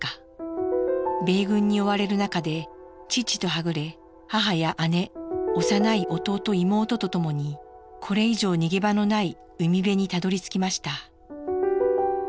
米軍に追われる中で父とはぐれ母や姉幼い弟妹と共にこれ以上逃げ場のない海辺にたどりつきました。